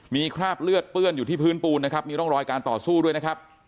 มีคราบเลือดเปื้อนอยู่ที่พื้นปูนนะครับมีร่องรอยการต่อสู้ด้วยนะครับ